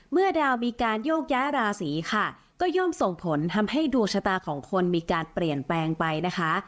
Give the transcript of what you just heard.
เมื่อดาวมีการโยกย้ายราศีค่ะก็ย่อมส่งผลทำให้ดวงชะตาของคนมีการเปลี่ยนแปลงไปนะคะ